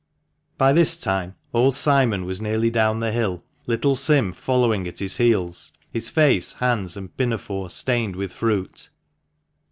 By this time old Simon was nearly down the hill, little Sim following at his heels, his face, hands, and pinafore stained with fruit.